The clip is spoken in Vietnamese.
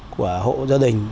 của hộ gia đình